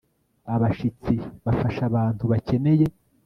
Abashitsi bafasha abantu bakeneye